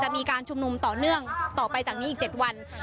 มีการชุมนุมต่อเนื่องต่อไปจากนี้อีก๗วัน